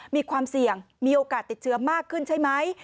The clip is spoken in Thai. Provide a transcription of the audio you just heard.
มีความเสี่ยงมีโอกาสติดเชื้อมากขึ้นใช่ไหม